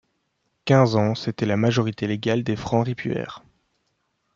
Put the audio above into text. Quinze ans, c'était la majorité légale des Francs ripuaires.